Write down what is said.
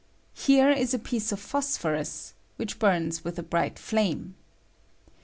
Here is a piece of phosphorus, which bums with a bright flame.